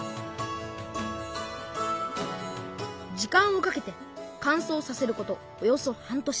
時間をかけてかんそうさせることおよそ半年。